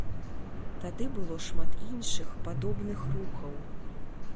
Тады было шмат іншых падобных рухаў.